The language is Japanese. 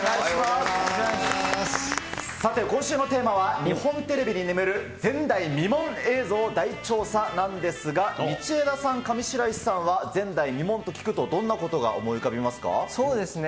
さて今週のテーマは、日本テレビに眠る前代未聞映像を大調査なんですが、道枝さん、上白石さんは前代未聞と聞くとどんなことが思い浮かびますか？